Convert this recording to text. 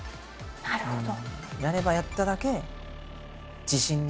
なるほど。